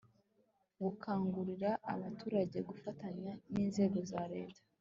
gukangurira abaturage gufatanya n'inzego za leta